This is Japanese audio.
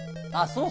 そう。